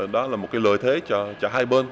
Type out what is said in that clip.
đó là một lợi thế cho hai bên